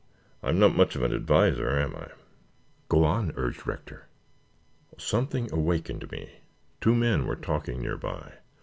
"I'm not much of an adviser, am I?" "Go on," urged Rector. "Something awakened me. Two men were talking nearby.